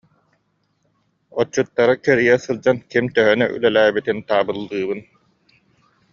Отчуттары кэрийэ сылдьан ким төһөнү үлэлээбитин таабыллыыбын